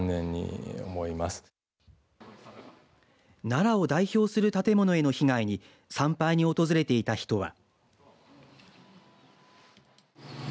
奈良を代表する建物への被害に参拝に訪れていた人は。